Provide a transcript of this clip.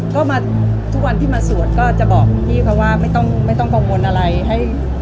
ก็ทุกวันที่มาสวดก็จะบอกพี่เขาว่าไม่ต้องกังวลอะไร